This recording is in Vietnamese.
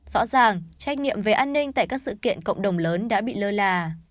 rõ ràng trách nhiệm về an ninh tại các sự kiện cộng đồng lớn đã bị lơ là